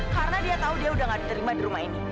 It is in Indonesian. karena dia tahu dia udah nggak diterima di rumah ini